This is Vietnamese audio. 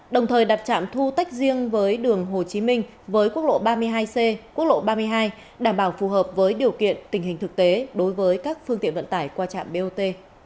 đồng thời đặt trạm thu tách riêng với đường hồ chí minh với quốc lộ ba mươi hai c quốc lộ ba mươi hai đảm bảo phù hợp với điều kiện tình hình thực tế đối với các phương tiện vận tải qua trạm bot